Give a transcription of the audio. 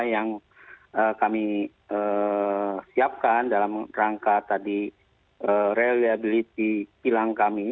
yang kami siapkan dalam rangka tadi reliability kilang kami